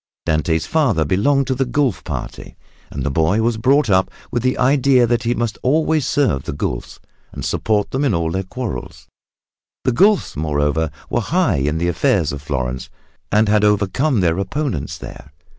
Dante's father belonged to the Guelf party and the boy was brought up with the idea that he must always serve the Guelfs, and support them in all their quarrels. The Guelfs, moreover, were high in the affairs of Florence and had overcome their opponents there.